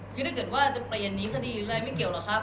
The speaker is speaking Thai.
คือถ้าเกิดว่าจะเปลี่ยนหนีซะดีหรืออะไรไม่เกี่ยวหรอกครับ